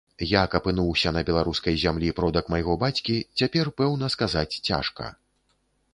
Як апынуўся на беларускай зямлі продак майго бацькі, цяпер пэўна сказаць цяжка.